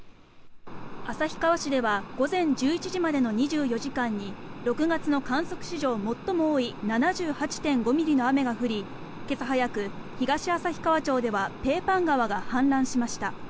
旭川市では午前１１時までの２４時間に６月の観測史上最も多い７８．５ミリの雨が降り今朝早く、東旭川町ではペーパン川が氾濫しました。